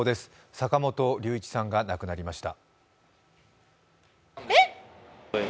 坂本龍一さんが亡くなりました。